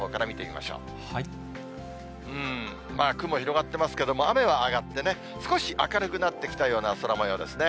まあ、雲広がってますけれども、雨は上がってね、少し明るくなってきたような空もようですね。